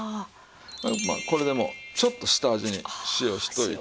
これでもうちょっと下味に塩しておいて。